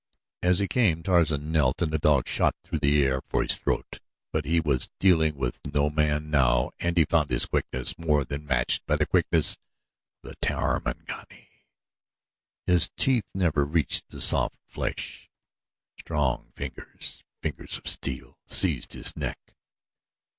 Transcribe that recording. As he came Tarzan knelt and the dog shot through the air for his throat; but he was dealing with no man now and he found his quickness more than matched by the quickness of the Tarmangani. His teeth never reached the soft flesh strong fingers, fingers of steel, seized his neck.